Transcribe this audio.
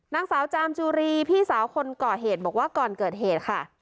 นางสาวจามจุรีพี่สาวคนก่อเหตุบอกว่าก่อนเกิดเหตุค่ะ